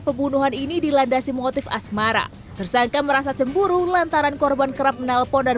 pembunuhan ini dilandasi motif asmara tersangka merasa cemburu lantaran korban kerap menelpon dan